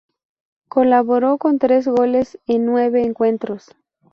Colaboró con tres goles en nueve encuentros.